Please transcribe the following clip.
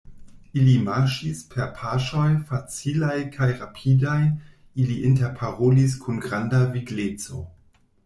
Ili marŝis per paŝoj facilaj kaj rapidaj, ili interparolis kun granda vigleco.